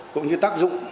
cũng như tác dụng